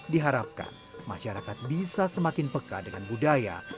diharapkan masyarakat bisa semakin peka dengan budaya